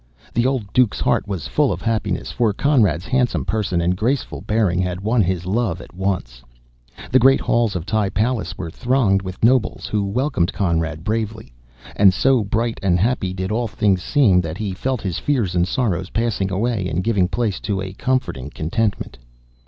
The old Duke's, heart was full of happiness, for Conrad's handsome person and graceful bearing had won his love at once. The great halls of the palace were thronged with nobles, who welcomed Conrad bravely; and so bright and happy did all things seem, that he felt his fears and sorrows passing away and giving place to a comforting contentment.